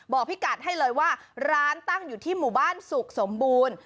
พี่กัดให้เลยว่าร้านตั้งอยู่ที่หมู่บ้านสุขสมบูรณ์